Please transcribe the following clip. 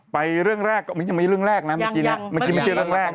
ไปเรื่องแรกไม่ใช่เรื่องแรกนะเมื่อกี้ไม่ใช่เรื่องแรกนะ